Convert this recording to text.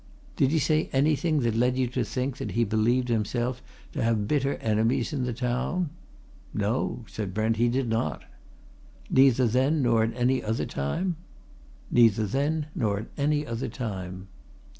"Did he say anything that led you to think that he believed himself to have bitter enemies in the town?" "No," said Brent, "he did not." "Neither then nor at any other time?" "Neither then nor at any other time."